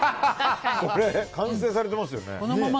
完成されていますよね。